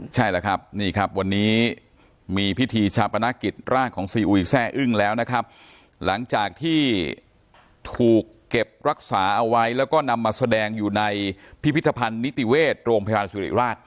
ใช่แหละครับนี่ครับวันนี้มีพิธีชาปนกิจร่างของซีอุยแซ่อึ้งแล้วนะครับหลังจากที่ถูกเก็บรักษาเอาไว้แล้วก็นำมาแสดงอยู่ในพิพิธภัณฑ์นิติเวชโรงพยาบาลสุริราช